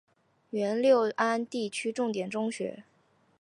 原六安地区重点中学。